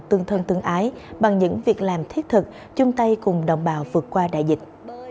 tương thân tương ái bằng những việc làm thiết thực chung tay cùng đồng bào vượt qua đại dịch